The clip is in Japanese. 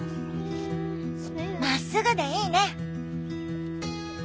まっすぐでいいね。